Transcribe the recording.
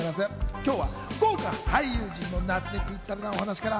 今日は豪華俳優陣の夏にぴったりなお話から。